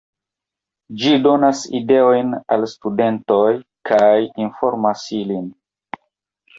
Ĝi donas ideojn al studentoj kaj informas ilin.